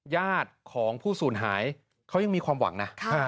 ญาติของผู้สูญหายเขายังมีความหวังนะ